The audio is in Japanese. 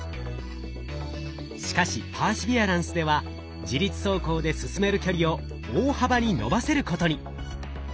しかしパーシビアランスでは自律走行で進める距離を大幅に延ばせることに。